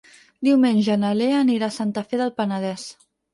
Diumenge na Lea anirà a Santa Fe del Penedès.